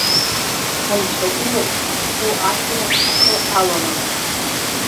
Анцәа илаԥш зху ашәарах ахы алалаӡом.